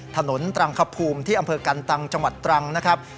ตรังคภูมิที่อำเภอกันตังจังหวัดตรังนะครับ